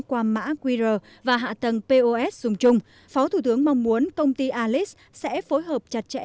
qua mã qr và hạ tầng pos dùng chung phó thủ tướng mong muốn công ty aliex sẽ phối hợp chặt chẽ